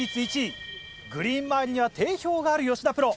グリーン周りには定評がある吉田プロ。